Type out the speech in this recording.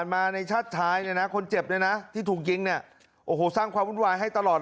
คันใหญ่ก็ชื่อมันก่อน